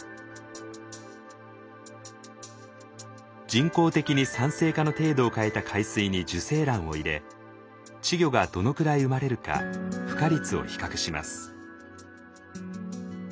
人工的に酸性化の程度を変えた海水に受精卵を入れ稚魚がどのくらい生まれるか孵化率を比較します。